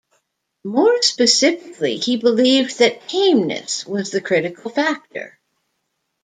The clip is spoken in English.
More specifically, he believed that tameness was the critical factor.